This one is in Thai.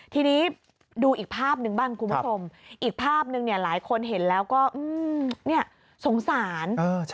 ทีนี้ดูอีกภาพหนึ่งบ้างคุณผู้ชมอีกภาพหนึ่งหลายคนเห็นแล้วก็สงสาร